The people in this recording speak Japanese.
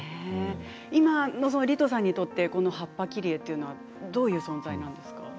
今、リトさんにとって葉っぱ切り絵というのはどういう存在なんですか？